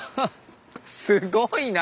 すごいな！